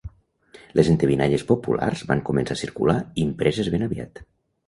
Les endevinalles populars van començar a circular impreses ben aviat.